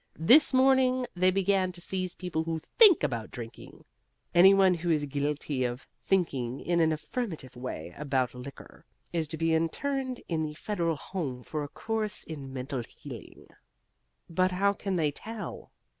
This morning they began to seize people who THINK about drinking. Any one who is guilty of thinking, in an affirmative way, about liquor, is to be interned in the Federal Home for a course in mental healing." "But how can they tell?"